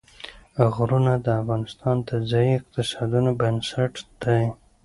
غرونه د افغانستان د ځایي اقتصادونو بنسټ دی.